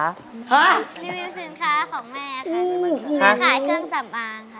ฮะรีวิวสินค้าของแม่ค่ะแม่ขายเครื่องสำอางค่ะ